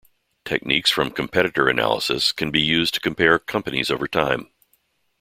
Techniques from competitor analysis can be used to compare companies over time.